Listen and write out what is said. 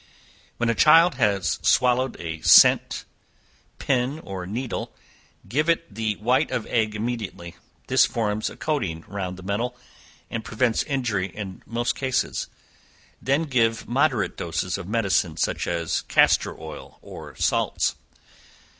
When a child has swallowed a cent, pin or needle, give it the white of egg immediately; this forms a coating round the metal, and prevents injury in most cases; then give moderate doses of medicine, such as castor oil or salts.